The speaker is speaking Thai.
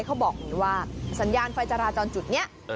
เขาบอกว่าสัญญาณไฟจราจรจุดนี้